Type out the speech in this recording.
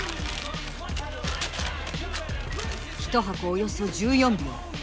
１箱およそ１４秒。